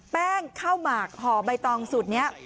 ข้าวหมากห่อใบตองสูตรนี้